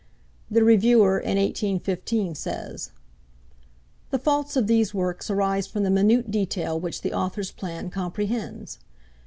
The Reviewer, in 1815, says: 'The faults of these works arise from the minute detail which the author's plan comprehends.